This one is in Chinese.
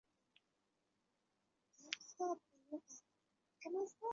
配以米饭等主食的火锅。